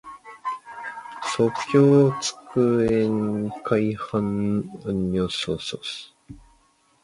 其供弹机构会伴随枪机的前后移动像跷跷板的方式传送装于弹链上的榴弹。